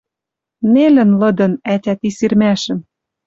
Нелӹн лыдын ӓтя ти сирмӓшӹм.